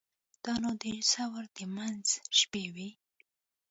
دا نو د ثور د منځ شپې وې.